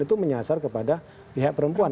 itu menyasar kepada pihak perempuan